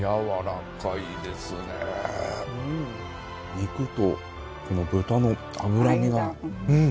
肉とこの豚の脂身がうん。